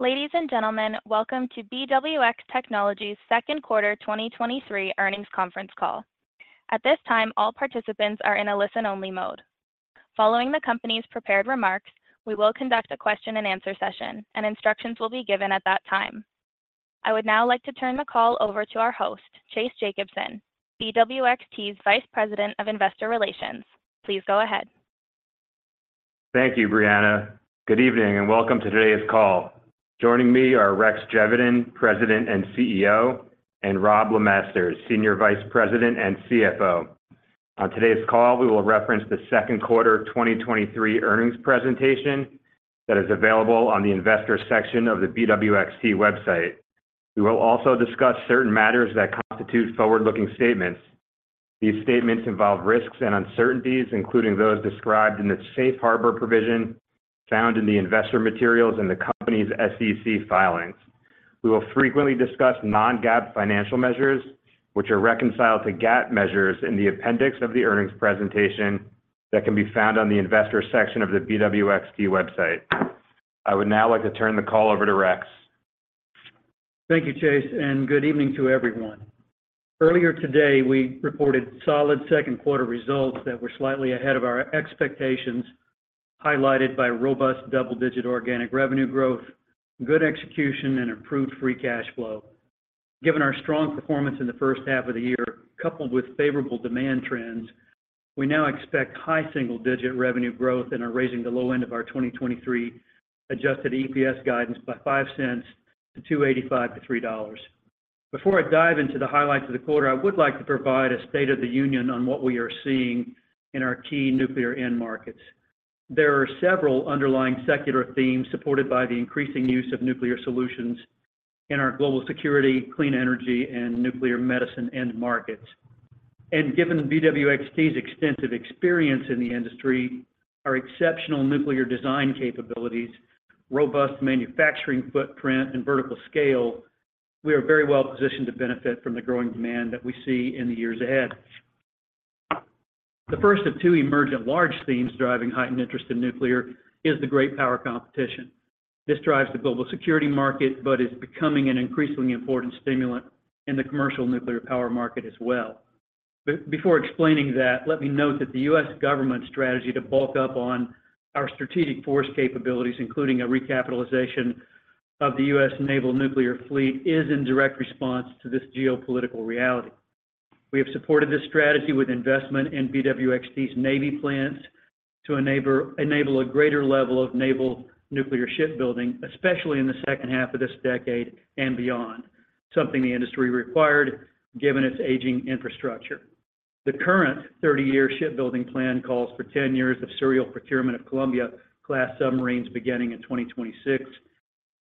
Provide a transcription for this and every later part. Ladies and gentlemen, welcome to BWX Technologies' second quarter 2023 earnings conference call. At this time, all participants are in a listen-only mode. Following the company's prepared remarks, we will conduct a question and answer session. Instructions will be given at that time. I would now like to turn the call over to our host, Chase Jacobson, BWXT's Vice President of Investor Relations. Please go ahead. Thank you, Brianna. Good evening, and welcome to today's call. Joining me are Rex Geveden, President and CEO, and Robb LeMasters, Senior Vice President and CFO. On today's call, we will reference the second quarter of 2023 earnings presentation that is available on the investor section of the BWXT website. We will also discuss certain matters that constitute forward looking statements. These statements involve risks and uncertainties, including those described in the safe harbor provision found in the investor materials and the company's SEC filings. We will frequently discuss non-GAAP financial measures, which are reconciled to GAAP measures in the appendix of the earnings presentation that can be found on the investor section of the BWXT website. I would now like to turn the call over to Rex. Thank you, Chase. Good evening to everyone. Earlier today, we reported solid second quarter results that were slightly ahead of our expectations, highlighted by robust double-digit organic revenue growth, good execution, and improved free cash flow. Given our strong performance in the first half of the year, coupled with favorable demand trends, we now expect high single-digit revenue growth and are raising the low end of our 2023 adjusted EPS guidance by $0.05 to $2.85-$3.00. Before I dive into the highlights of the quarter, I would like to provide a state of the union on what we are seeing in our key nuclear end markets. There are several underlying secular themes supported by the increasing use of nuclear solutions in our global security, clean energy, and nuclear medicine end markets. Given BWXT's extensive experience in the industry, our exceptional nuclear design capabilities, robust manufacturing footprint, and vertical scale, we are very well positioned to benefit from the growing demand that we see in the years ahead. The first of two emergent large themes driving heightened interest in nuclear is the great power competition. This drives the global security market, but is becoming an increasingly important stimulant in the commercial nuclear power market as well. Before explaining that, let me note that the U.S. government strategy to bulk up on our strategic force capabilities, including a recapitalization of the US Naval Nuclear Fleet, is in direct response to this geopolitical reality. We have supported this strategy with investment in BWXT's Navy plans to enable, enable a greater level of naval nuclear shipbuilding, especially in the second half of this decade and beyond, something the industry required given its aging infrastructure. The current 30y ear shipbuilding plan calls for ten years of serial procurement of Columbia-class submarines beginning in 2026,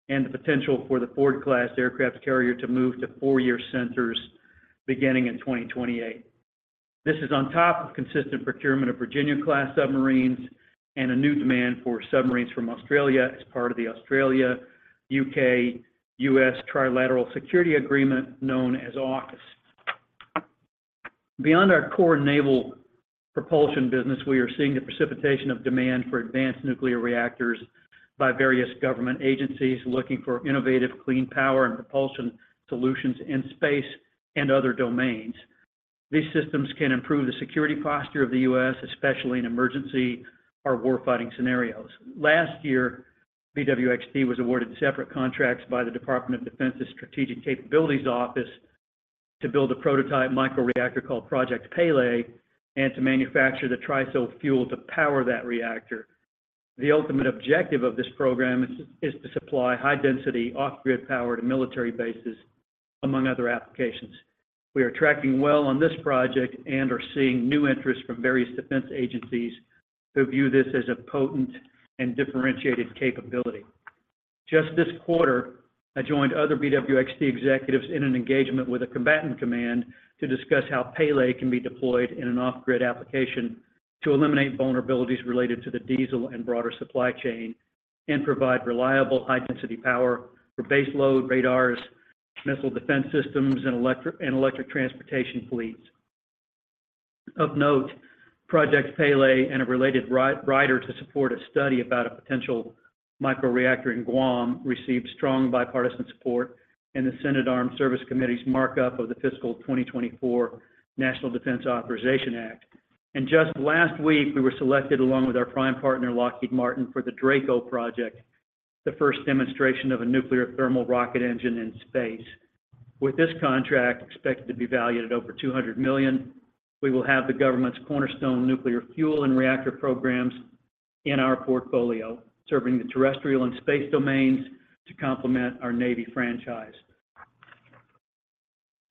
and the potential for the Ford-class aircraft carrier to move to four year centers beginning in 2028. This is on top of consistent procurement of Virginia-class submarines and a new demand for submarines from Australia as part of the Australia-UK-US Trilateral Security Agreement, known as AUKUS. Beyond our core naval propulsion business, we are seeing the precipitation of demand for advanced nuclear reactors by various government agencies looking for innovative, clean power and propulsion solutions in space and other domains. These systems can improve the security posture of the U.S., especially in emergency or warfighting scenarios. Last year, BWXT was awarded separate contracts by the U.S. Department of Defense's Strategic Capabilities Office to build a prototype microreactor called Project Pele, and to manufacture the TRISO fuel to power that reactor. The ultimate objective of this program is to supply high-density, off-grid power to military bases, among other applications. We are tracking well on this project and are seeing new interest from various defense agencies who view this as a potent and differentiated capability. Just this quarter, I joined other BWXT executives in an engagement with a combatant command to discuss how Pele can be deployed in an off grid application to eliminate vulnerabilities related to the diesel and broader supply chain, and provide reliable, high-density power for base load radars, missile defense systems, and electric transportation fleets. Of note, Project Pele and a related rider to support a study about a potential microreactor in Guam, received strong bipartisan support in the Senate Armed Services Committee's markup of the Fiscal 2024 National Defense Authorization Act. Just last week, we were selected, along with our prime partner, Lockheed Martin, for the DRACO project, the first demonstration of a nuclear thermal rocket engine in space. With this contract expected to be valued at over $200 million, we will have the government's cornerstone nuclear fuel and reactor programs in our portfolio, serving the terrestrial and space domains to complement our Navy franchise.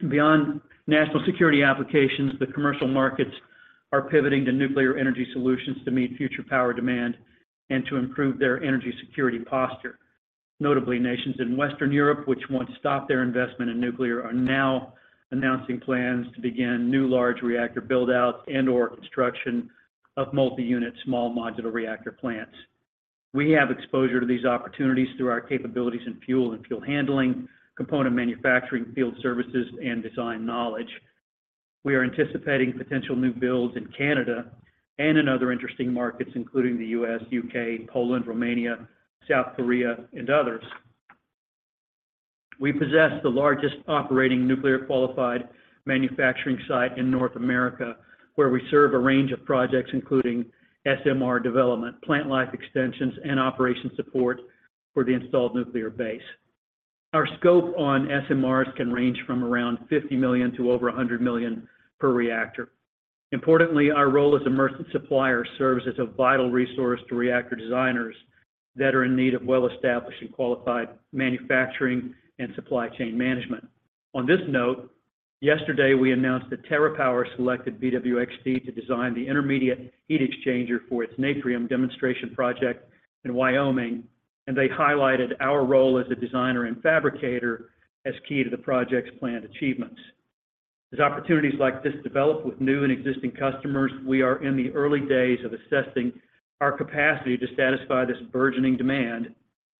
Beyond national security applications, the commercial markets are pivoting to nuclear energy solutions to meet future power demand and to improve their energy security posture. Notably, nations in Western Europe, which once stopped their investment in nuclear, are now announcing plans to begin new large reactor build-outs and/or construction of multi-unit small modular reactor plants. We have exposure to these opportunities through our capabilities in fuel and fuel handling, component manufacturing, field services, and design knowledge. We are anticipating potential new builds in Canada and in other interesting markets, including the U.S., U.K., Poland, Romania, South Korea, and others. We possess the largest operating nuclear-qualified manufacturing site in North America, where we serve a range of projects, including SMR development, plant life extensions, and operation support for the installed nuclear base. Our scope on SMRs can range from around $50 million to over $100 million per reactor. Importantly, our role as a merchant supplier serves as a vital resource to reactor designers that are in need of well-established and qualified manufacturing and supply chain management. On this note, yesterday, we announced that TerraPower selected BWXT to design the intermediate heat exchanger for its Natrium demonstration project in Wyoming, and they highlighted our role as a designer and fabricator as key to the project's planned achievements. As opportunities like this develop with new and existing customers, we are in the early days of assessing our capacity to satisfy this burgeoning demand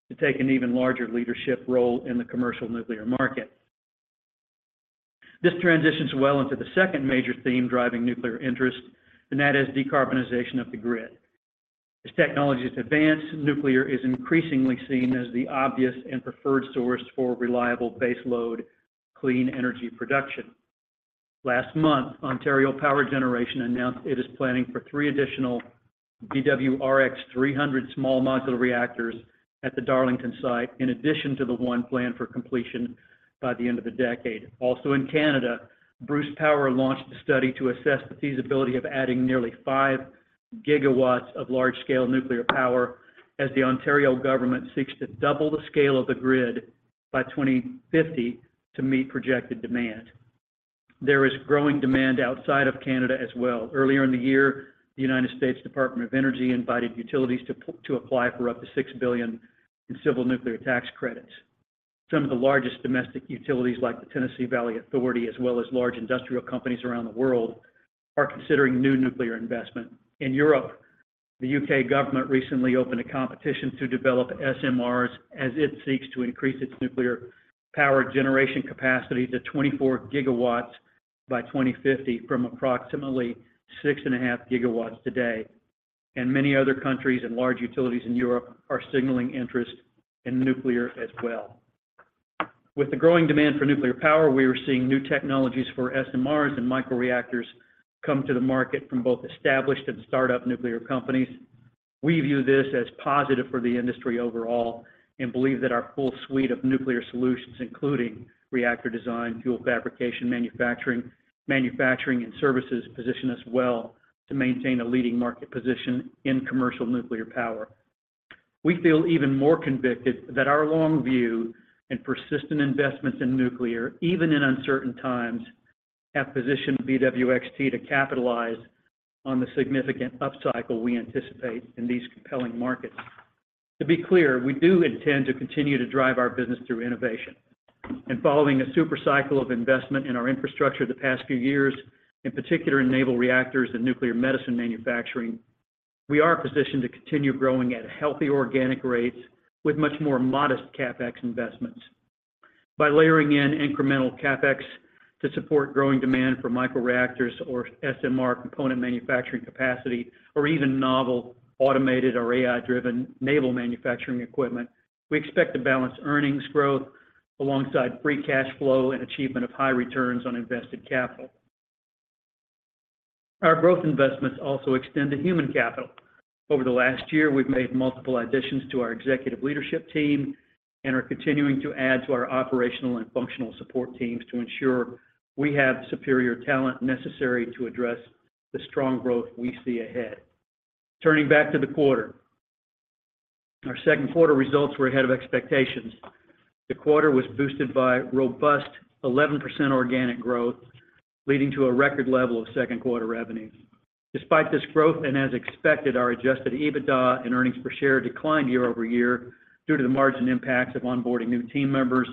to take an even larger leadership role in the commercial nuclear market. This transitions well into the second major theme driving nuclear interest, and that is decarbonization of the grid. As technologies advance, nuclear is increasingly seen as the obvious and preferred source for reliable baseload, clean energy production. Last month, Ontario Power Generation announced it is planning for three additional BWRX-300 small modular reactors at the Darlington site, in addition to the on planned for completion by the end of the decade. Also in Canada, Bruce Power launched a study to assess the feasibility of adding nearly five gigawatts of large-scale nuclear power as the Ontario government seeks to double the scale of the grid by 2050 to meet projected demand. There is growing demand outside of Canada as well. Earlier in the year, the United States Department of Energy invited utilities to apply for up to $6 billion in civil nuclear tax credits. Some of the largest domestic utilities, like the Tennessee Valley Authority, as well as large industrial companies around the world, are considering new nuclear investment. In Europe, the UK government recently opened a competition to develop SMRs as it seeks to increase its nuclear power generation capacity to 24 gigawatts by 2050, from approximately 6.5 gigawatts today. Many other countries and large utilities in Europe are signaling interest in nuclear as well. With the growing demand for nuclear power, we are seeing new technologies for SMRs and microreactors come to the market from both established and startup nuclear companies. We view this as positive for the industry overall and believe that our full suite of nuclear solutions, including reactor design, fuel fabrication, manufacturing, manufacturing and services, position us well to maintain a leading market position in commercial nuclear power. We feel even more convicted that our long view and persistent investments in nuclear, even in uncertain times, have positioned BWXT to capitalize on the significant upcycle we anticipate in these compelling markets. To be clear, we do intend to continue to drive our business through innovation, and following a super cycle of investment in our infrastructure the past few years, in particular in naval reactors and nuclear medicine manufacturing, we are positioned to continue growing at healthy organic rates with much more modest CapEx investments. By layering in incremental CapEx to support growing demand for microreactors or SMR component manufacturing capacity, or even novel, automated or AI-driven naval manufacturing equipment, we expect to balance earnings growth alongside free cash flow and achievement of high returns on invested capital. Our growth investments also extend to human capital. Over the last year, we've made multiple additions to our executive leadership team and are continuing to add to our operational and functional support teams to ensure we have superior talent necessary to address the strong growth we see ahead. Turning back to the quarter. Our second quarter results were ahead of expectations. The quarter was boosted by robust 11% organic growth, leading to a record level of second quarter revenues. Despite this growth, and as expected, our adjusted EBITDA and earnings per share declined year-over-year due to the margin impacts of onboarding new team members,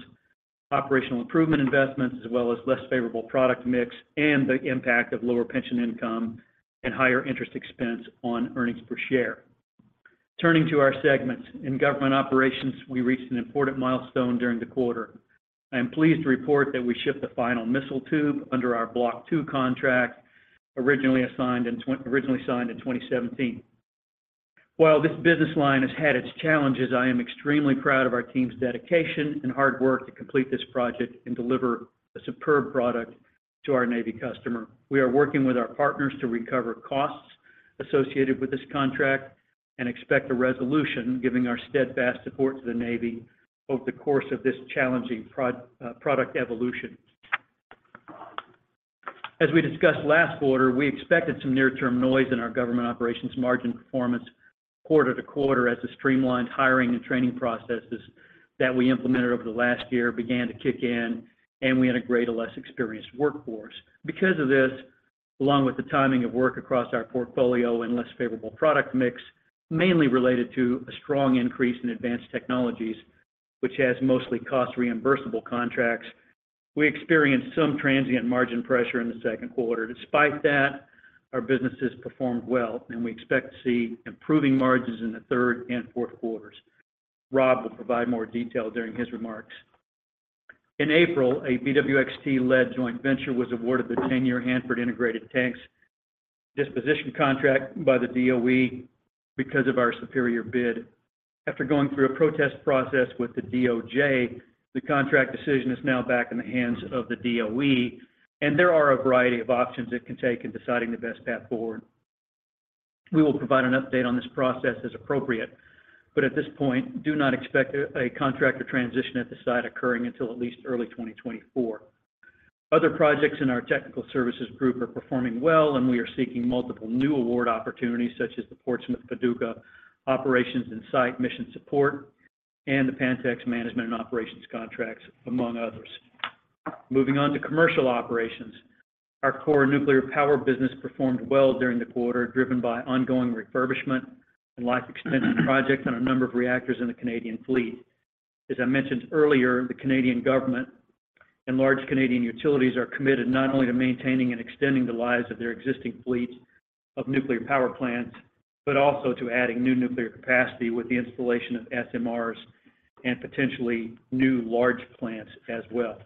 operational improvement investments, as well as less favorable product mix and the impact of lower pension income and higher interest expense on earnings per share. Turning to our segments. In government operations, we reached an important milestone during the quarter. I am pleased to report that we shipped the final missile tube under our Block II contract, originally signed in 2017. While this business line has had its challenges, I am extremely proud of our team's dedication and hard work to complete this project and deliver a superb product to our Navy customer. We are working with our partners to recover costs associated with this contract and expect a resolution, giving our steadfast support to the Navy over the course of this challenging product evolution. As we discussed last quarter, we expected some near-term noise in our government operations margin performance quarter to quarter as the streamlined hiring and training processes that we implemented over the last year began to kick in, and we had a greater, less experienced workforce. Because of this, along with the timing of work across our portfolio and less favorable product mix, mainly related to a strong increase in advanced technologies, which has mostly cost reimbursable contracts, we experienced some transient margin pressure in the second quarter. Despite that, our businesses performed well, and we expect to see improving margins in the third and fourth quarters. Rob will provide more detail during his remarks. In April, a BWXT led joint venture was awarded the ten year Hanford Integrated Tank Disposition Contract by the DOE because of our superior bid. After going through a protest process with the DOJ, the contract decision is now back in the hands of the DOE, and there are a variety of options it can take in deciding the best path forward. We will provide an update on this process as appropriate, but at this point, do not expect a contractor transition at the site occurring until at least early 2024. Other projects in our technical services group are performing well, and we are seeking multiple new award opportunities, such as the Portsmouth/Paducah Operations and Site Mission Support, and the Pantex Management and Operating Contract, among others. Moving on to commercial operations. Our core nuclear power business performed well during the quarter, driven by ongoing refurbishment and life-extensive projects on a number of reactors in the Canadian fleet. As I mentioned earlier, the Canadian government and large Canadian utilities are committed not only to maintaining and extending the lives of their existing fleet of nuclear power plants, but also to adding new nuclear capacity with the installation of SMRs and potentially new large plants as well.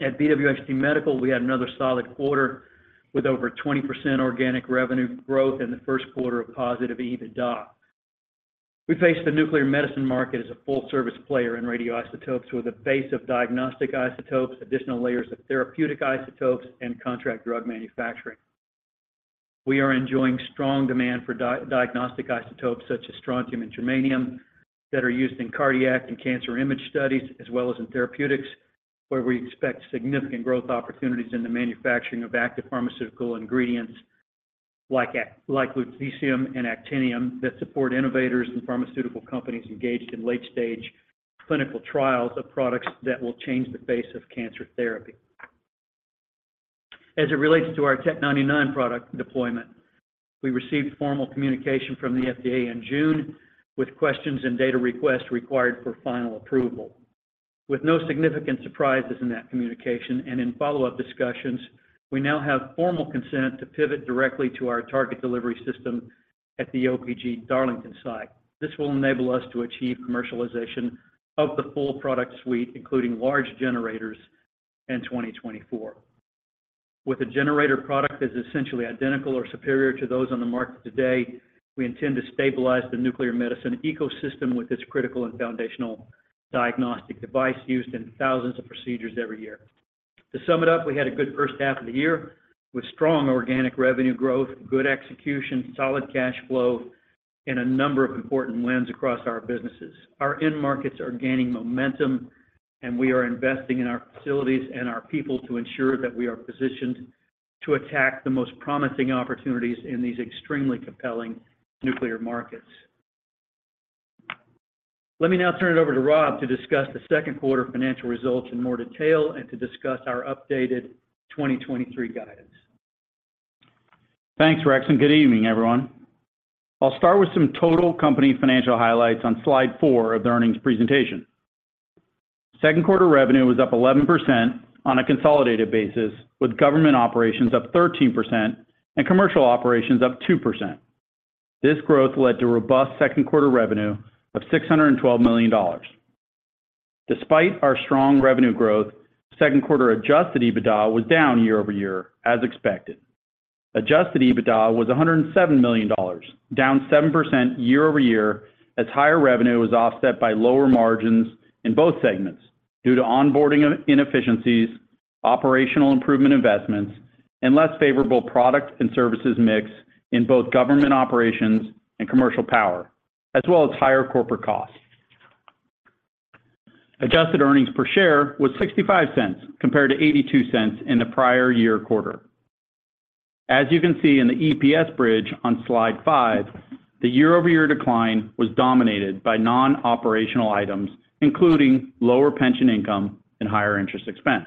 At BWXT Medical, we had another solid quarter with over 20% organic revenue growth in the first quarter of positive EBITDA. We face the nuclear medicine market as a full-service player in radioisotopes, with a base of diagnostic isotopes, additional layers of therapeutic isotopes, and contract drug manufacturing. We are enjoying strong demand for diagnostic isotopes such as strontium and germanium that are used in cardiac and cancer image studies, as well as in therapeutics, where we expect significant growth opportunities in the manufacturing of active pharmaceutical ingredients like lutetium and actinium that support innovators and pharmaceutical companies engaged in late-stage clinical trials of products that will change the face of cancer therapy. As it relates to our Tc-99m product deployment, we received formal communication from the FDA in June with questions and data requests required for final approval. With no significant surprises in that communication and in follow-up discussions, we now have formal consent to pivot directly to our target delivery system at the OPG Darlington site. This will enable us to achieve commercialization of the full product suite, including large generators, in 2024. With a generator product that is essentially identical or superior to those on the market today, we intend to stabilize the nuclear medicine ecosystem with this critical and foundational diagnostic device used in thousands of procedures every year. To sum it up, we had a good first half of the year, with strong organic revenue growth, good execution, solid cash flow, and a number of important wins across our businesses. Our end markets are gaining momentum, and we are investing in our facilities and our people to ensure that we are positioned to attack the most promising opportunities in these extremely compelling nuclear markets. Let me now turn it over to Rob to discuss the second quarter financial results in more detail and to discuss our updated 2023 guidance. Thanks, Rex. Good evening, everyone. I'll start with some total company financial highlights on slide four of the earnings presentation. Second quarter revenue was up 11% on a consolidated basis, with government operations up 13% and commercial operations up 2%. This growth led to robust second quarter revenue of $612 million. Despite our strong revenue growth, second quarter adjusted EBITDA was down year-over-year, as expected. Adjusted EBITDA was $107 million, down 7% year-over-year, as higher revenue was offset by lower margins in both segments due to onboarding inefficiencies, operational improvement investments, and less favorable product and services mix in both government operations and commercial power, as well as higher corporate costs. Adjusted earnings per share was $0.65, compared to $0.82 in the prior year quarter. As you can see in the EPS bridge on slide five, the year-over-year decline was dominated by non-operational items, including lower pension income and higher interest expense.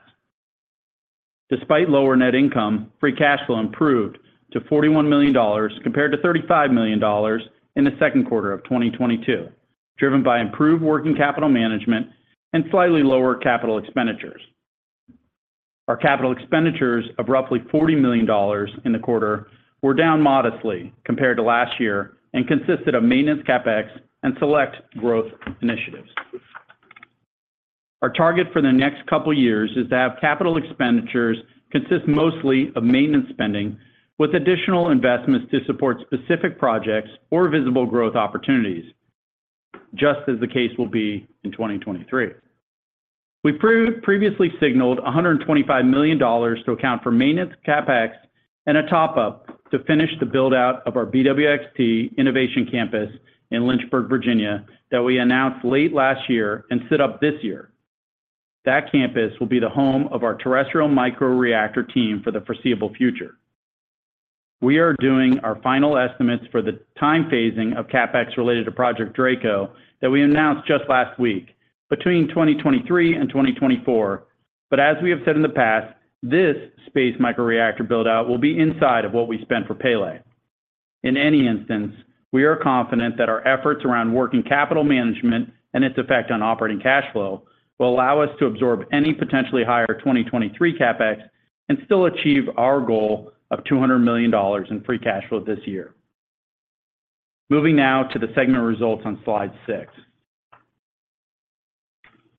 Despite lower net income, free cash flow improved to $41 million, compared to $35 million in the 2Q 2022, driven by improved working capital management and slightly lower capital expenditures. Our capital expenditures of roughly $40 million in the quarter were down modestly compared to last year and consisted of maintenance CapEx and select growth initiatives. Our target for the next couple of years is to have capital expenditures consist mostly of maintenance spending, with additional investments to support specific projects or visible growth opportunities, just as the case will be in 2023. We've previously signaled $125 million to account for maintenance, CapEx, and a top-up to finish the build-out of our BWXT innovation campus in Lynchburg, Virginia, that we announced late last year and set up this year. That campus will be the home of our terrestrial microreactor team for the foreseeable future. We are doing our final estimates for the time phasing of CapEx related to Project DRACO that we announced just last week, between 2023 and 2024. As we have said in the past, this space microreactor build-out will be inside of what we spent for Pele. In any instance, we are confident that our efforts around working capital management and its effect on operating cash flow will allow us to absorb any potentially higher 2023 CapEx. Still achieve our goal of $200 million in free cash flow this year. Moving now to the segment results on slide 6.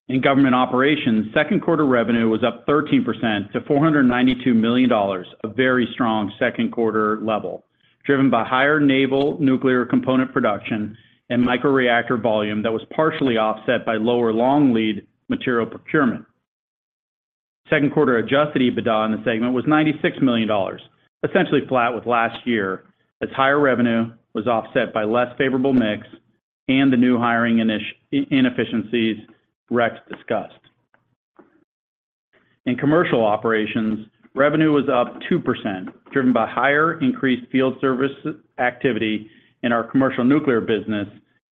In government operations, second quarter revenue was up 13% to $492 million, a very strong second quarter level, driven by higher naval nuclear component production and microreactor volume that was partially offset by lower long lead material procurement. Second quarter adjusted EBITDA in the segment was $96 million, essentially flat with last year, as higher revenue was offset by less favorable mix and the new hiring inefficiencies Rex discussed. In commercial operations, revenue was up 2%, driven by higher increased field service activity in our commercial nuclear business,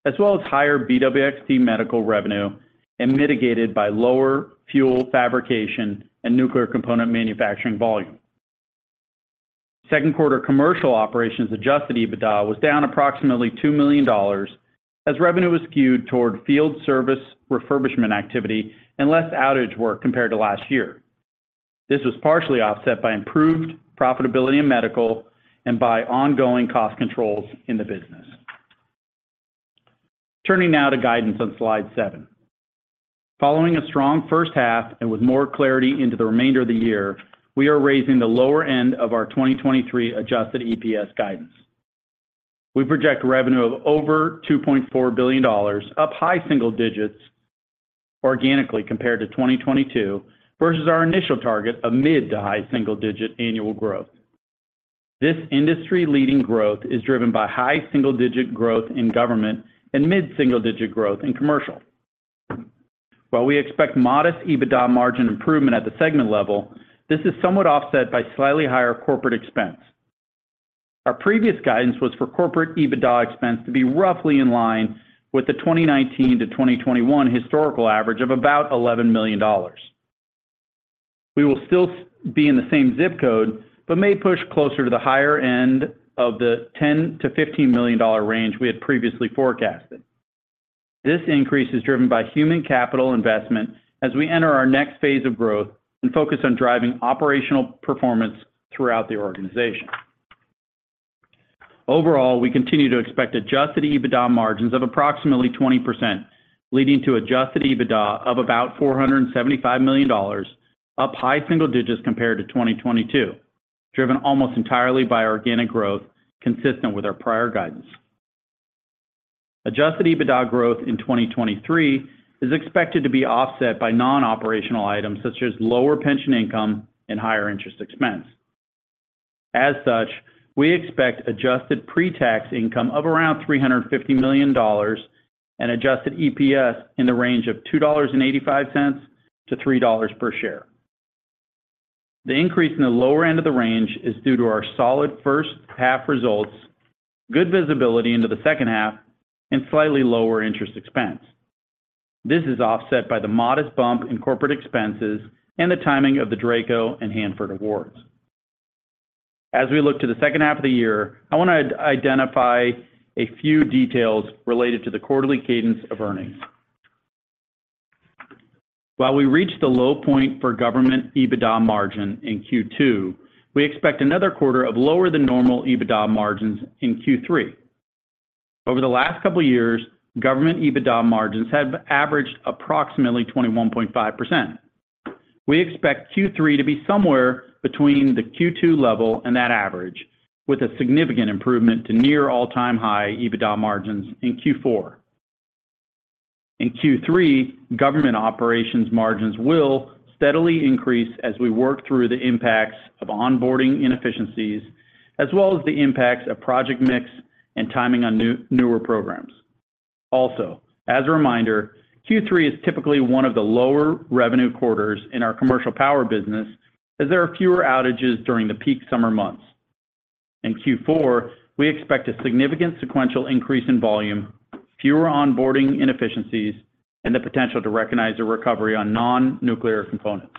as well as higher BWXT Medical revenue, and mitigated by lower fuel fabrication and nuclear component manufacturing volume. Second quarter commercial operations adjusted EBITDA was down approximately $2 million, as revenue was skewed toward field service refurbishment activity and less outage work compared to last year. This was partially offset by improved profitability in Medical and by ongoing cost controls in the business. Turning now to guidance on slide seven. Following a strong first half and with more clarity into the remainder of the year, we are raising the lower end of our 2023 adjusted EPS guidance. We project revenue of over $2.4 billion, up high single digits organically compared to 2022, versus our initial target of mid to high single-digit annual growth. This industry-leading growth is driven by high single-digit growth in government and mid-single-digit growth in commercial. While we expect modest EBITDA margin improvement at the segment level, this is somewhat offset by slightly higher corporate expense. Our previous guidance was for corporate EBITDA expense to be roughly in line with the 2019 to 2021 historical average of about $11 million. We will still be in the same zip code, but may push closer to the higher end of the $10 million-$15 million range we had previously forecasted. This increase is driven by human capital investment as we enter our next phase of growth and focus on driving operational performance throughout the organization. Overall, we continue to expect adjusted EBITDA margins of approximately 20%, leading to adjusted EBITDA of about $475 million, up high single digits compared to 2022, driven almost entirely by organic growth consistent with our prior guidance. Adjusted EBITDA growth in 2023 is expected to be offset by non-operational items such as lower pension income and higher interest expense. We expect adjusted pre-tax income of around $350 million and adjusted EPS in the range of $2.85-$3.00 per share. The increase in the lower end of the range is due to our solid first half results, good visibility into the second half, and slightly lower interest expense. This is offset by the modest bump in corporate expenses and the timing of the DRACO and Hanford awards. We look to the second half of the year, I want to identify a few details related to the quarterly cadence of earnings. While we reached a low point for government EBITDA margin in Q2, we expect another quarter of lower than normal EBITDA margins in Q3. Over the last couple of years, government EBITDA margins have averaged approximately 21.5%. We expect Q3 to be somewhere between the Q2 level and that average, with a significant improvement to near all-time high EBITDA margins in Q4. In Q3, government operations margins will steadily increase as we work through the impacts of onboarding inefficiencies, as well as the impacts of project mix and timing on newer programs. As a reminder, Q3 is typically one of the lower revenue quarters in our commercial power business, as there are fewer outages during the peak summer months. In Q4, we expect a significant sequential increase in volume, fewer onboarding inefficiencies, and the potential to recognize a recovery on non-nuclear components.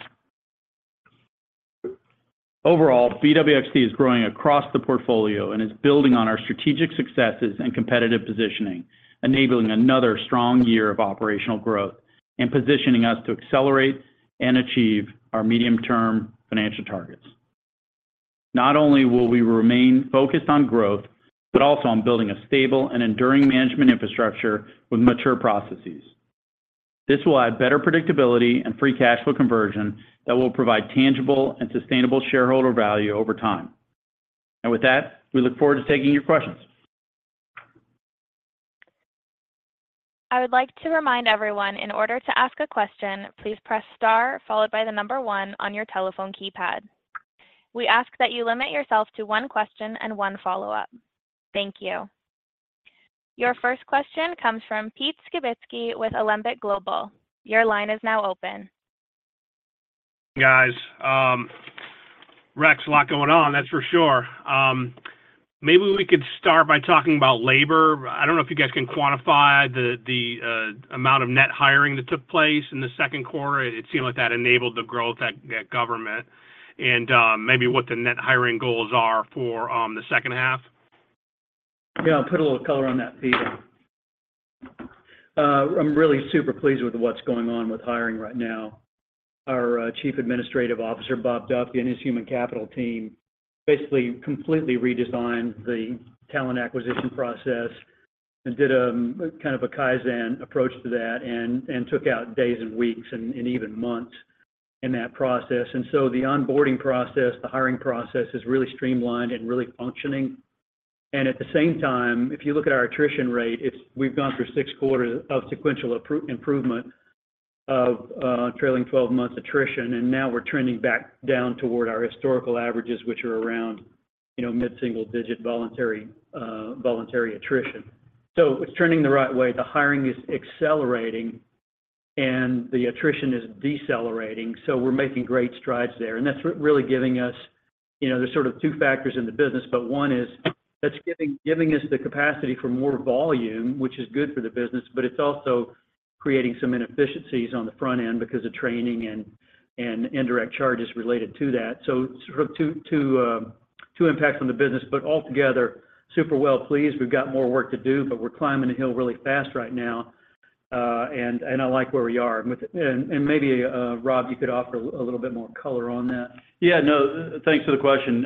Overall, BWXT is growing across the portfolio and is building on our strategic successes and competitive positioning, enabling another strong year of operational growth and positioning us to accelerate and achieve our medium-term financial targets. Not only will we remain focused on growth, but also on building a stable and enduring management infrastructure with mature processes. This will add better predictability and free cash flow conversion that will provide tangible and sustainable shareholder value over time. With that, we look forward to taking your questions. I would like to remind everyone, in order to ask a question, please press star one on your telephone keypad. We ask that you limit yourself to one question and one follow-up. Thank you. Your first question comes from Pete Skibitski with Alembic Global. Your line is now open. Guys, Rex, a lot going on, that's for sure. Maybe we could start by talking about labor. I don't know if you guys can quantify the, the amount of net hiring that took place in the second quarter. It seemed like that enabled the growth at, at government, and maybe what the net hiring goals are for the second half? Yeah, I'll put a little color on that, Pete. I'm really super pleased with what's going on with hiring right now. Our Chief Administrative Officer, Bob Duffy, and his human capital team, basically completely redesigned the talent acquisition process and did kind of a Kaizen approach to that, and took out days and weeks, and even months in that process. The onboarding process, the hiring process, is really streamlined and really functioning. At the same time, if you look at our attrition rate, we've gone through six quarters of sequential improvement of trailing 12 month attrition, and now we're trending back down toward our historical averages, which are around, you know, mid-single digit voluntary voluntary attrition. It's turning the right way. The hiring is accelerating, and the attrition is decelerating, so we're making great strides there. That's really giving us, you know... There's sort of two factors in the business, but one is, that's giving, giving us the capacity for more volume, which is good for the business, but it's also creating some inefficiencies on the front end because of training and, and indirect charges related to that. Sort of two, two, two impacts on the business, but altogether, super well pleased. We've got more work to do, but we're climbing a hill really fast right now, and, and I like where we are. With it. Maybe, Rob, you could offer a little bit more color on that. Yeah, no, thanks for the question.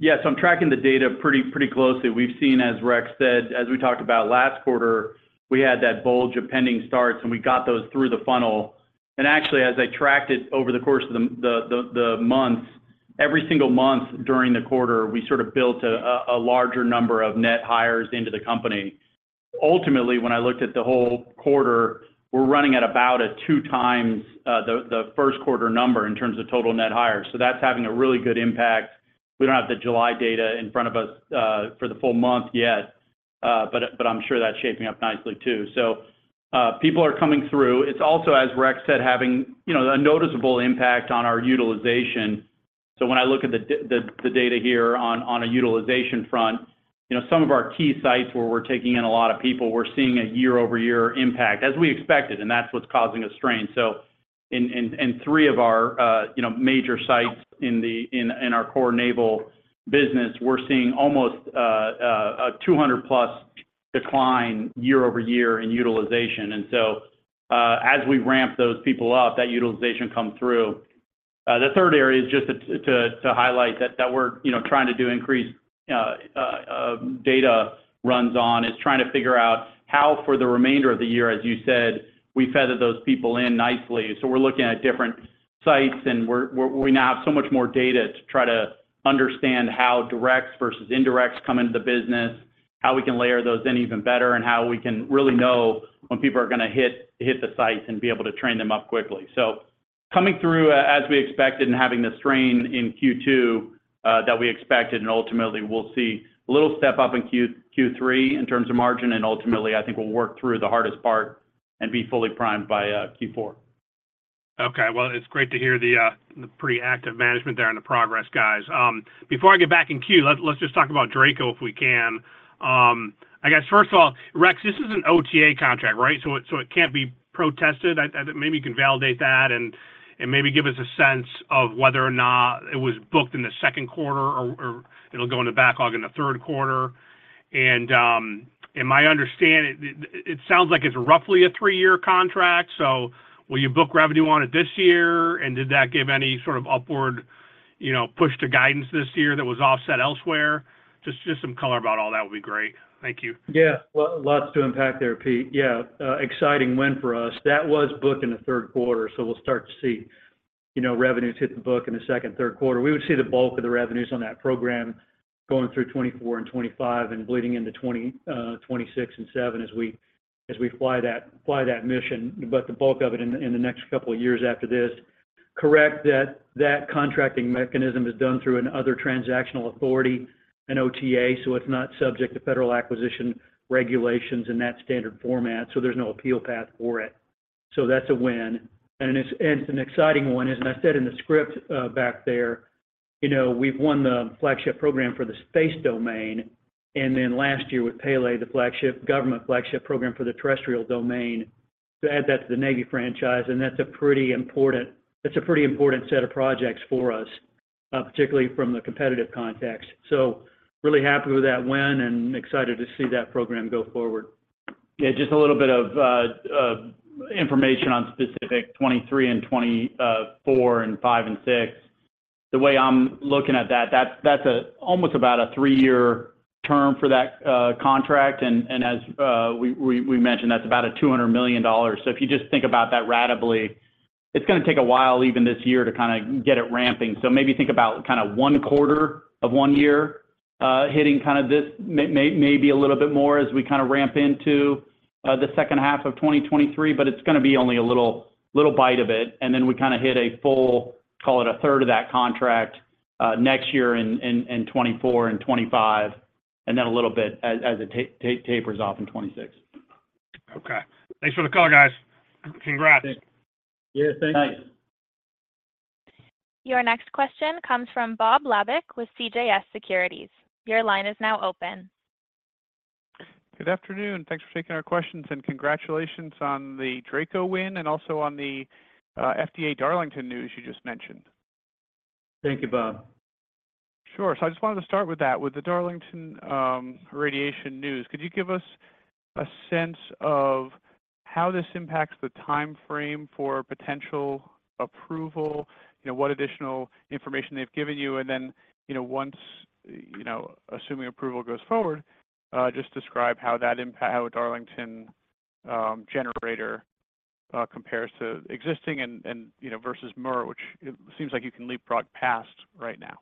Yeah, I'm tracking the data pretty, pretty closely. We've seen, as Rex said, as we talked about last quarter, we had that bulge of pending starts, and we got those through the funnel. Actually, as I tracked it over the course of the months, every single month during the quarter, we sort of built a, a larger number of net hires into the company. Ultimately, when I looked at the whole quarter, we're running at about a 2x the first quarter number in terms of total net hires. That's having a really good impact. We don't have the July data in front of us for the full month yet, but I'm sure that's shaping up nicely too. People are coming through. It's also, as Rex said, having, you know, a noticeable impact on our utilization. When I look at the data here on a utilization front, you know, some of our key sites where we're taking in a lot of people, we're seeing a year-over-year impact, as we expected, and that's what's causing a strain. In three of our, you know, major sites in our core naval business, we're seeing almost a 200+ decline year-over-year in utilization. As we ramp those people up, that utilization come through. The third area is just to highlight that, that we're, you know, trying to do increase data runs on, is trying to figure out how for the remainder of the year, as you said, we feather those people in nicely. We're looking at different sites, and we now have so much more data to try to understand how directs versus indirects come into the business, how we can layer those in even better, and how we can really know when people are gonna hit the sites and be able to train them up quickly. Coming through, as we expected, and having the strain in Q2, that we expected, and ultimately, we'll see a little step up in Q3 in terms of margin, and ultimately, I think we'll work through the hardest part and be fully primed by Q4. Okay, well, it's great to hear the pretty active management there and the progress, guys. Before I get back in queue, let's, let's just talk about DRACO, if we can. I guess, first of all, Rex, this is an OTA contract, right? It, so it can't be protested. Maybe you can validate that, and, and maybe give us a sense of whether or not it was booked in the second quarter or, or it'll go in the backlog in the third quarter. In my understanding, it, it sounds like it's roughly a three year contract, so will you book revenue on it this year? Did that give any sort of upward, you know, push to guidance this year that was offset elsewhere? Just, just some color about all that would be great. Thank you. Yeah. Well, lots to unpack there, Pete. Yeah, exciting win for us. That was booked in the third quarter, so we'll start to see, you know, revenues hit the book in the second, third quarter. We would see the bulk of the revenues on that program going through 2024 and 2025 and bleeding into 2026 and 2027 as we, as we fly that, fly that mission, but the bulk of it in, in the next couple of years after this. Correct, that, that contracting mechanism is done through an other transaction authority, an OTA, so it's not subject to Federal Acquisition Regulation in that standard format, so there's no appeal path for it. That's a win, and it's, and it's an exciting one. As I said in the script, back there, you know, we've won the flagship program for the space domain, and then last year with Pele, the flagship- government flagship program for the terrestrial domain, to add that to the Navy franchise, and that's a pretty important, that's a pretty important set of projects for us, particularly from the competitive context. Really happy with that win and excited to see that program go forward. Yeah, just a little bit of information on specific 2023 and 2024, 2025, and 2026. The way I'm looking at that, that's, that's almost about a three-year term for that contract. As we mentioned, that's about a $200 million. If you just think about that ratably, it's gonna take a while, even this year, to kind of get it ramping. Maybe think about kind of one quarter of one year, hitting kind of this, maybe a little bit more as we kind of ramp into the second half of 2023, but it's gonna be only a little, little bite of it. Then we kind of hit a full, call it 1/3 of that contract, next year in 2024 and 2025, and then a little bit as it tapers off in 2026. Okay. Thanks for the call, guys. Congrats. Yeah, thank you. Thanks. Your next question comes from Bob Labick with CJS Securities. Your line is now open. Good afternoon. Thanks for taking our questions, and congratulations on the DRACO win and also on the, FDA Darlington news you just mentioned. Thank you, Bob. Sure. I just wanted to start with that, with the Darlington radiation news. Could you give us a sense of how this impacts the timeframe for potential approval? You know, what additional information they've given you, and then, you know, once, you know, assuming approval goes forward, just describe how that impact-- how a Darlington generator compares to existing and, and, you know, versus MURR, which it seems like you can leapfrog past right now.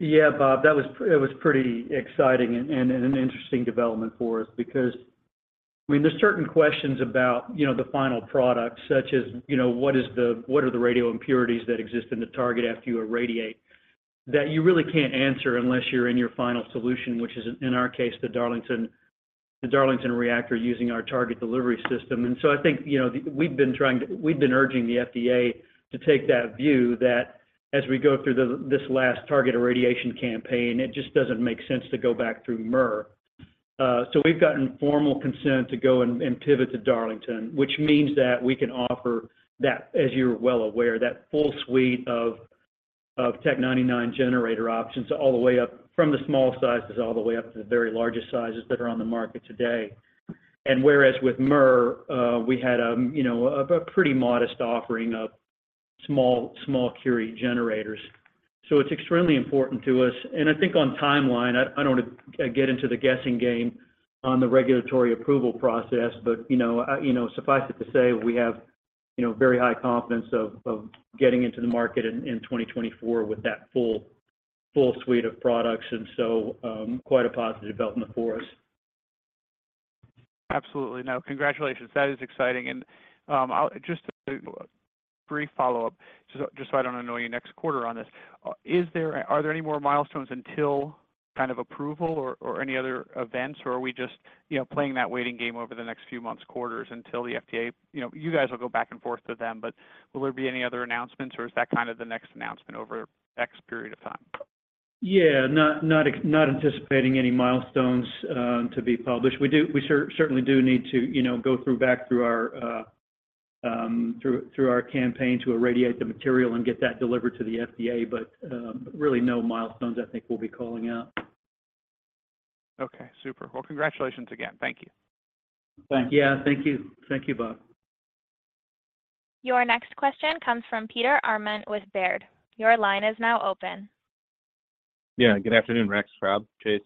Yeah, Bob, that was, it was pretty exciting and, and an interesting development for us because, I mean, there's certain questions about, you know, the final product, such as, you know, what are the radio impurities that exist in the target after you irradiate? That you really can't answer unless you're in your final solution, which is in, in our case, the Darlington, the Darlington reactor using our target delivery system. I think, you know, we've been urging the FDA to take that view that as we go through this last target irradiation campaign, it just doesn't make sense to go back through MURR. We've gotten formal consent to go and, and pivot to Darlington, which means that we can offer that, as you're well aware, that full suite of, of Tc-99m generator options all the way up from the small sizes, all the way up to the very largest sizes that are on the market today. Whereas with MURR, we had, you know, a, a pretty modest offering of small, small curie generators. It's extremely important to us. I think on timeline, I, I don't want to get into the guessing game on the regulatory approval process, but, you know, you know, suffice it to say, we have, you know, very high confidence of, of getting into the market in 2024 with that full, full suite of products, and so, quite a positive development for us. Absolutely. Now, congratulations, that is exciting. I'll just a brief follow-up, just so I don't annoy you next quarter on this. Are there any more milestones until kind of approval or any other events, or are we just, you know, playing that waiting game over the next few months, quarters until the FDA, you know, you guys will go back and forth with them, but will there be any other announcements, or is that kind of the next announcement over X period of time? Not, not, not anticipating any milestones to be published. We certainly do need to, you know, go through, back through our campaign to irradiate the material and get that delivered to the FDA, but really no milestones I think we'll be calling out. Okay, super. Well, congratulations again. Thank you. Thank you. Yeah, thank you. Thank you, Bob. Your next question comes from Peter Arment with Baird. Your line is now open. Yeah, good afternoon, Rex, Robb, Chase.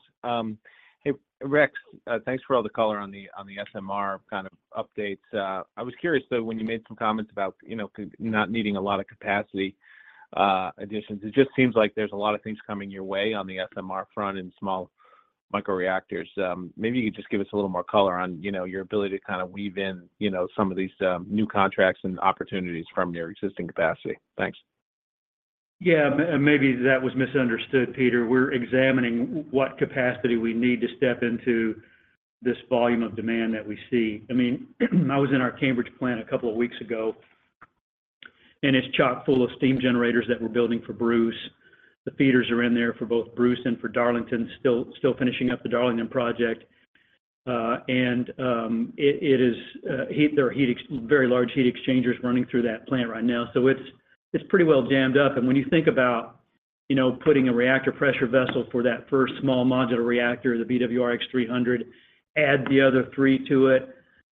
Hey, Rex, thanks for all the color on the SMR kind of updates. I was curious, though, when you made some comments about, you know, not needing a lot of capacity additions. It just seems like there's a lot of things coming your way on the SMR front and small microreactors. Maybe you could just give us a little more color on, you know, your ability to kind of weave in, you know, some of these new contracts and opportunities from your existing capacity. Thanks. Yeah, maybe that was misunderstood, Peter. We're examining what capacity we need to step into this volume of demand that we see. I mean, I was in our Cambridge plant a couple of weeks ago, and it's chock-full of steam generators that we're building for Bruce. The feeders are in there for both Bruce and for Darlington, still, still finishing up the Darlington project. It, it is, there are very large heat exchangers running through that plant right now, so it's, it's pretty well jammed up. When you think about, you know, putting a reactor pressure vessel for that first small modular reactor, the BWRX-300, add the other three to it,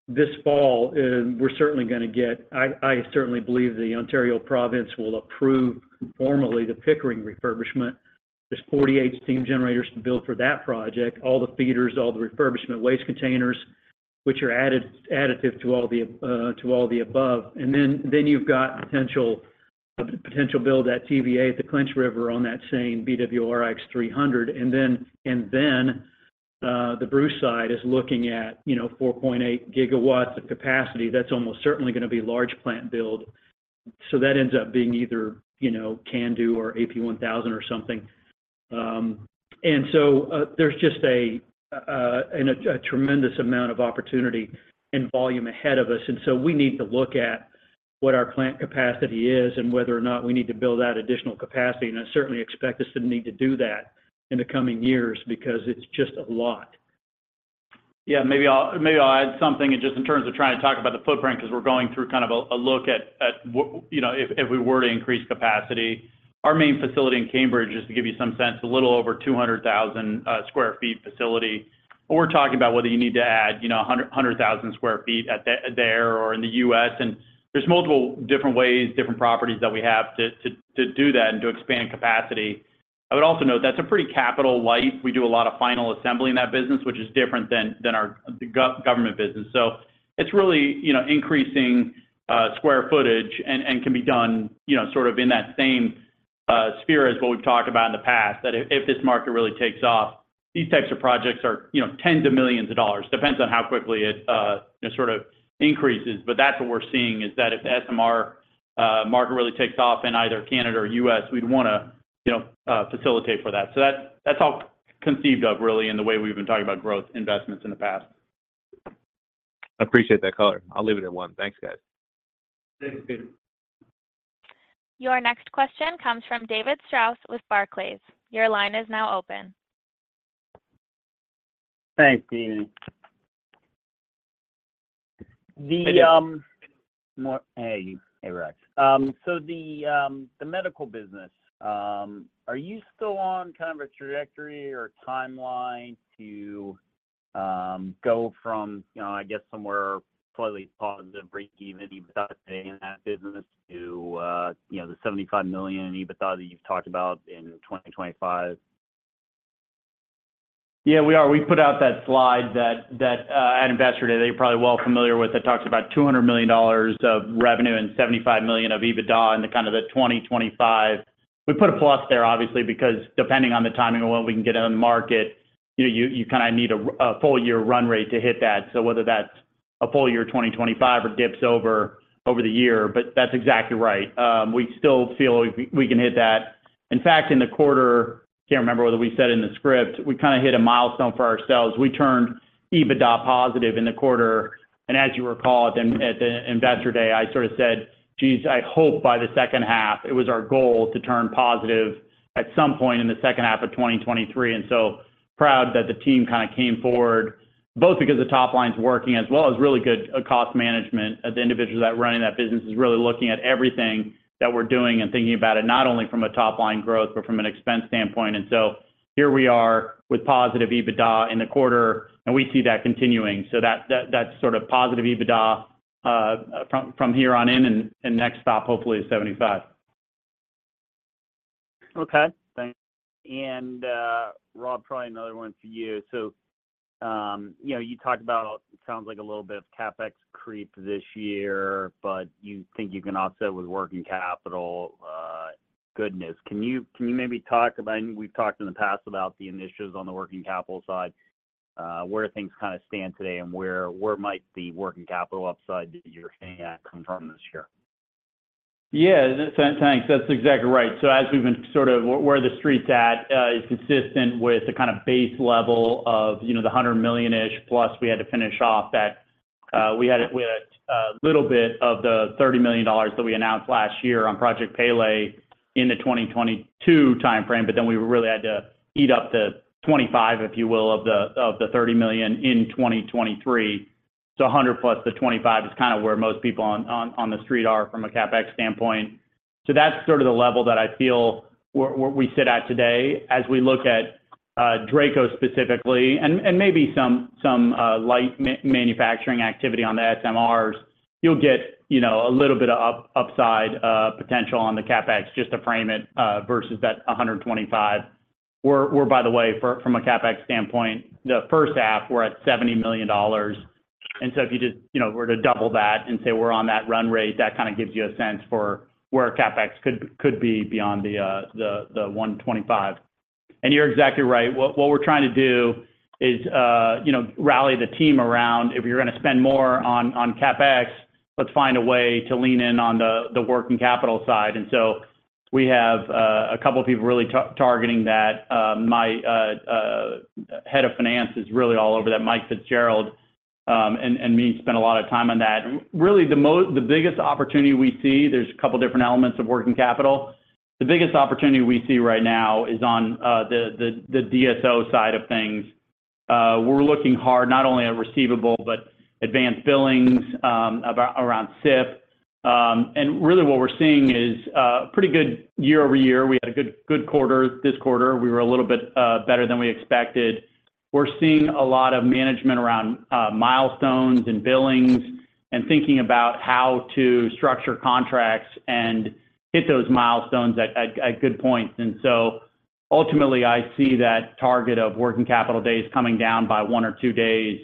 this fall, we're certainly gonna get... I, I certainly believe the Ontario province will approve formally the Pickering refurbishment. There's 48 steam generators to build for that project, all the feeders, all the refurbishment waste containers, which are added-additive to all the to all the above. Then, then you've got potential potential build at TVA, at the Clinch River, on that same BWRX-300. Then, and then the Bruce side is looking at, you know, 4.8 gigawatts of capacity. That's almost certainly gonna be large plant build, so that ends up being either, you know, CANDU or AP1000 or something. So there's just a tremendous amount of opportunity and volume ahead of us, and so we need to look at what our plant capacity is and whether or not we need to build that additional capacity. I certainly expect us to need to do that in the coming years because it's just a lot. Yeah, maybe I'll, maybe I'll add something just in terms of trying to talk about the footprint, 'cause we're going through kind of a, a look at, you know, if, if we were to increase capacity. Our main facility in Cambridge, just to give you some sense, a little over 200,000 square feet facility. We're talking about whether you need to add, you know, 100,000 square feet at there or in the US, and there's multiple different ways, different properties that we have to, to, to do that and to expand capacity. I would also note that's a pretty capital light. We do a lot of final assembly in that business, which is different than, than our government business. It's really, you know, increasing square footage and, and can be done, you know, sort of in that same sphere as what we've talked about in the past, that if this market really takes off, these types of projects are, you know, tens of millions of dollars. Depends on how quickly it, you know, sort of increases. That's what we're seeing, is that if the SMR market really takes off in either Canada or US, we'd wanna, you know, facilitate for that. That, that's all conceived of really in the way we've been talking about growth investments in the past. I appreciate that color. I'll leave it at one. Thanks, guys. Thanks, Peter. Your next question comes from David Strauss with Barclays. Your line is now open. Thank you. The, more, hey, Rex. So the BWXT Medical business, are you still on kind of a trajectory or timeline to go from, you know, I guess somewhere slightly positive, breakeven, EBITDA today in that business to, you know, the $75 million in EBITDA that you've talked about in 2025? Yeah, we are. We put out that slide that, that at Investor Day, that you're probably well familiar with, that talks about $200 million of revenue and $75 million of EBITDA in the kind of the 2025. We put a plus there, obviously, because depending on the timing of what we can get on the market, you, you, you kind of need a full year run rate to hit that. Whether that's a full year 2025 or dips over, over the year. That's exactly right. We still feel we, we can hit that. In fact, in the quarter, I can't remember whether we said in the script, we kind of hit a milestone for ourselves. We turned EBITDA positive in the quarter. As you recall, at the, at the Investor Day, I sort of said, "Geez, I hope by the second half," it was our goal to turn positive at some point in the second half of 2023. So proud that the team kind of came forward, both because the top line's working as well as really good cost management. As the individuals that are running that business is really looking at everything that we're doing and thinking about it, not only from a top-line growth, but from an expense standpoint. So here we are with positive EBITDA in the quarter, and we see that continuing. That, that, that's sort of positive EBITDA from, from here on in, and, and next stop hopefully, is 75. Okay, thanks. Rob, probably another one for you. You know, you talked about sounds like a little bit of CapEx creep this year, but you think you can offset with working capital, goodness. Can you, can you maybe talk about... I know we've talked in the past about the initiatives on the working capital side, where things kind of stand today and where, where might the working capital upside that you're seeing at come from this year? Yeah, thanks. That's exactly right. So as we've been sort of where the Street's at, is consistent with the kind of base level of, you know, the $100 million-ish plus, we had to finish off that, we had a, we had a, a little bit of the $30 million that we announced last year on Project Pele in the 2022 timeframe, but then we really had to eat up the 25, if you will, of the, of the $30 million in 2023. So $100 plus the 25 is kind of where most people on, on, on the Street are from a CapEx standpoint. So that's sort of the level that I feel where, where we sit at today as we look at, DRACO specifically, and, and maybe some, some light manufacturing activity on the SMRs. You'll get, you know, a little bit of up upside, potential on the CapEx, just to frame it, versus that 125. We're, we're, by the way, from a CapEx standpoint, the first half, we're at $70 million. So if you just, you know, were to double that and say we're on that run rate, that kind of gives you a sense for where CapEx could, could be beyond the, the, the 125. You're exactly right. What, what we're trying to do is, you know, rally the team around. If you're gonna spend more on, on CapEx, let's find a way to lean in on the, the working capital side. So we have, a couple of people really targeting that. My head of finance is really all over that, Mike Fitzgerald, and me spent a lot of time on that. Really, the biggest opportunity we see, there's a couple different elements of working capital. The biggest opportunity we see right now is on the DSO side of things. We're looking hard, not only at receivable, but advanced billings, about around SIF. Really what we're seeing is pretty good year-over-year. We had a good, good quarter. This quarter, we were a little bit better than we expected. We're seeing a lot of management around milestones and billings, and thinking about how to structure contracts and hit those milestones at, at, at good points. Ultimately, I see that target of working capital days coming down by one or two days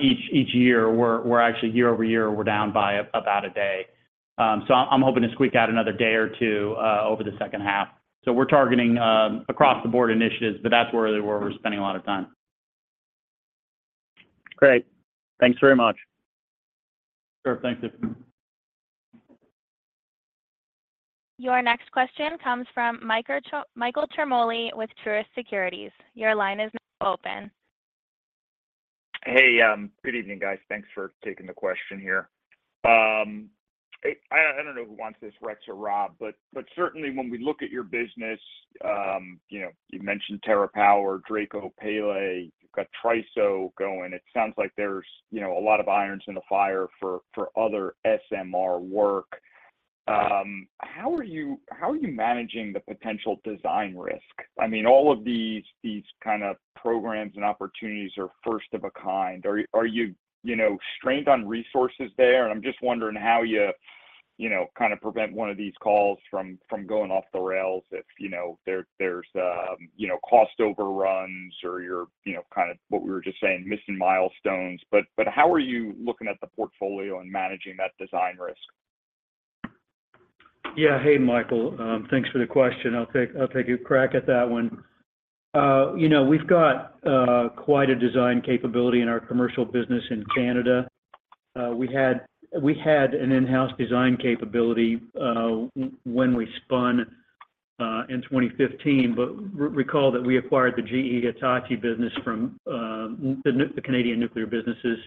each year. We're actually year-over-year, we're down by about one day. I'm hoping to squeak out another one or two days over the second half. We're targeting across the board initiatives, but that's where we're spending a lot of time. Great. Thanks very much. Sure. Thank you. Your next question comes from Michael Ciarmoli with Truist Securities. Your line is now open. Hey, good evening, guys. Thanks for taking the question here. I, I don't know who wants this, Rex or Robb, but certainly when we look at your business, you know, you mentioned TerraPower, DRACO, Pele, you've got TRISO going. It sounds like there's, you know, a lot of irons in the fire for other SMR work. How are you managing the potential design risk? I mean, all of these kind of programs and opportunities are first of a kind. Are you, you know, strained on resources there? I'm just wondering how you, you know, kind of prevent one of these calls from going off the rails if, you know, there's, you know, cost overruns or you're, you know, kind of what we were just saying, missing milestones. How are you looking at the portfolio and managing that design risk? Yeah. Hey, Michael, thanks for the question. I'll take, I'll take a crack at that one. You know, we've got quite a design capability in our commercial business in Canada. We had, we had an in-house design capability when we spun in 2015. Recall that we acquired the GE Hitachi business from the Canadian nuclear businesses,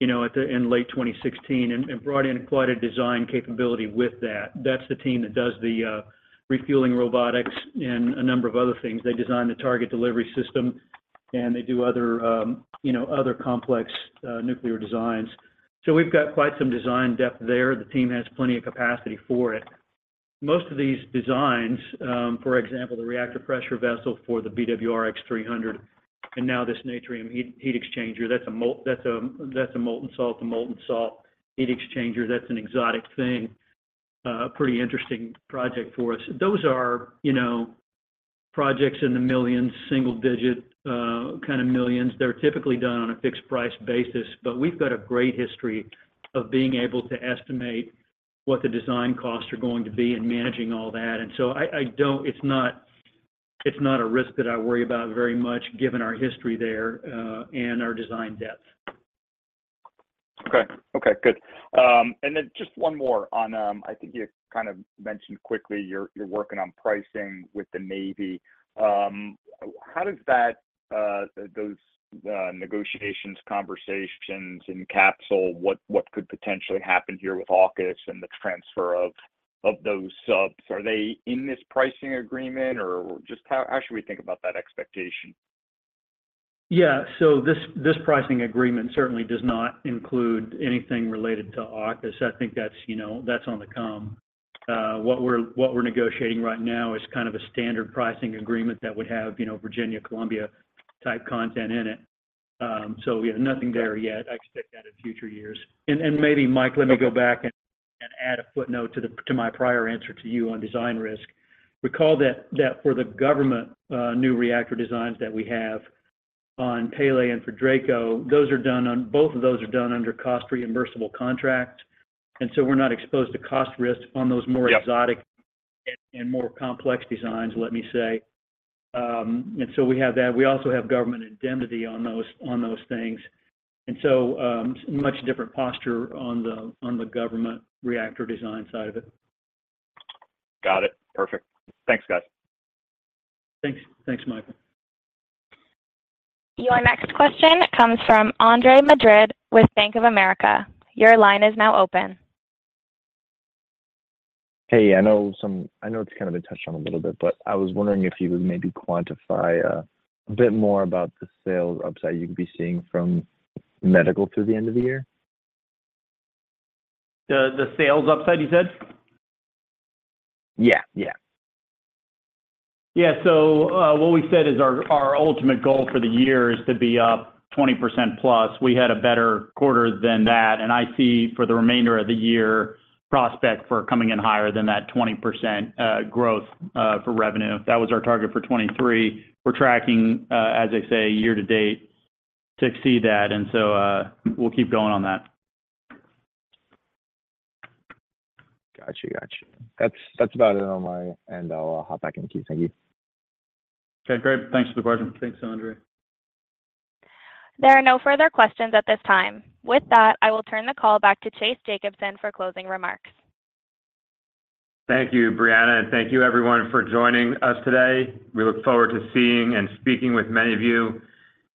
you know, in late 2016 and brought in quite a design capability with that. That's the team that does the refueling robotics and a number of other things. They designed the target delivery system- and they do other, you know, other complex, nuclear designs. We've got quite some design depth there. The team has plenty of capacity for it. Most of these designs, for example, the reactor pressure vessel for the BWRX-300, and now this Natrium heat, heat exchanger, that's a, that's a molten salt, a molten salt heat exchanger. That's an exotic thing, a pretty interesting project for us. Those are, you know, projects in the millions, single digit, kind of millions. They're typically done on a fixed price basis, but we've got a great history of being able to estimate what the design costs are going to be and managing all that. I, I don't-- it's not, it's not a risk that I worry about very much, given our history there, and our design depth. Okay. Okay, good. Just one more on, I think you kind of mentioned quickly, you're, you're working on pricing with the Navy. How does that those negotiations, conversations encapsule, what, what could potentially happen here with AUKUS and the transfer of, of those subs? Are they in this pricing agreement, or just how, how should we think about that expectation? Yeah. This, this pricing agreement certainly does not include anything related to AUKUS. I think that's, you know, that's on the come. What we're, what we're negotiating right now is kind of a standard pricing agreement that would have, you know, Virginia, Columbia type content in it. We have nothing there yet. Got it. I expect that in future years. Maybe, Mike Okay. Let me go back and add a footnote to the, to my prior answer to you on design risk. Recall that, that for the government, new reactor designs that we have on Pele and for DRACO, both of those are done under cost reimbursable contract, and so we're not exposed to cost risk on those more- Yep... exotic and more complex designs, let me say. So we have that. We also have government indemnity on those, on those things. So, much different posture on the, on the government reactor design side of it. Got it. Perfect. Thanks, guys. Thanks. Thanks, Michael. Your next question comes from Andre Madrid with Bank of America. Your line is now open. Hey, I know I know it's kind of been touched on a little bit, but I was wondering if you would maybe quantify a bit more about the sales upside you could be seeing from medical through the end of the year? The, the sales upside, you said? Yeah, yeah. Yeah. What we said is our, our ultimate goal for the year is to be up 20% plus. We had a better quarter than that. I see for the remainder of the year, prospect for coming in higher than that 20% growth for revenue. That was our target for 2023. We're tracking, as I say, year to date, to exceed that. We'll keep going on that. Got you, got you. That's, that's about it on my end. I'll hop back in queue. Thank you. Okay, great. Thanks, Andre. There are no further questions at this time. With that, I will turn the call back to Chase Jacobson for closing remarks. Thank you, Brianna, and thank you everyone for joining us today. We look forward to seeing and speaking with many of you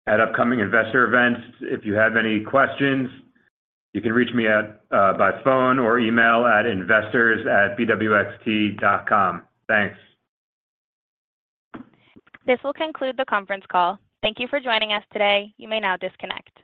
at upcoming investor events. If you have any questions, you can reach me at by phone or email at investors@bwxt.com. Thanks. This will conclude the conference call. Thank you for joining us today. You may now disconnect.